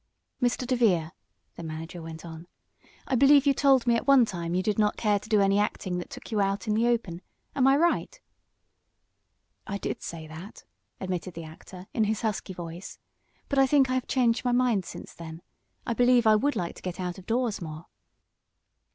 "Mr. DeVere," the manager went on, "I believe you told me at one time that you did not care to do any acting that took you out in the open; am I right?" "I did say that," admitted the actor, in his husky voice; "but I think I have changed my mind since then. I believe I would like to get out of doors more."